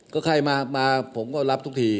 ก็ใครมาผมก็รับทุกที